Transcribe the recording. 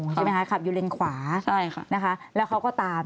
ใช่ไหมค่ะก็ขับอยู่เล่นขวานะครับแล้วเค้าก็ตาม